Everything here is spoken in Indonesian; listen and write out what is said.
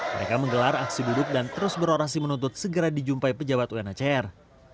mereka menggelar aksi duduk dan terus berorasi menuntut segera dijumpai pejabat unacr